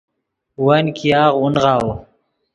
ون ګیاغ اونغاؤ